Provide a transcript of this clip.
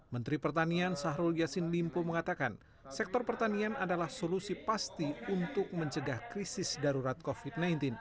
menteri pertanian syahrul yassin limpo mengatakan sektor pertanian adalah solusi pasti untuk mencegah krisis darurat covid sembilan belas